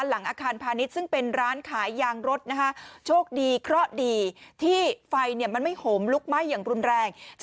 หลังอาคารพาณิชย์ซึ่งเป็นร้านขายยางรถนะคะ